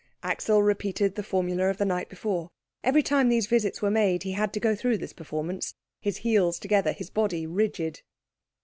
Axel repeated the formula of the night before. Every time these visits were made he had to go through this performance, his heels together, his body rigid.